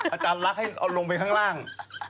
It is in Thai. อาจารย์ลักษณ์ให้เอาลงไปข้างล่าง